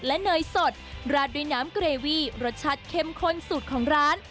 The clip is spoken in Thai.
และเนยสดราดด้วยน้ำเกรวีรสชาติเข้มข้นสูตรของร้าน